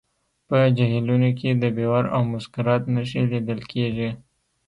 په جهیلونو کې د بیور او مسکرات نښې لیدل کیږي